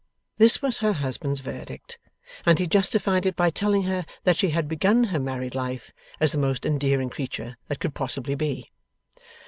This was her husband's verdict, and he justified it by telling her that she had begun her married life as the most endearing creature that could possibly be.